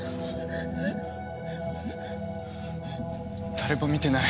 誰も見てない。